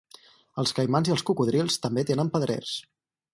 Els caimans i els cocodrils també tenen pedrers.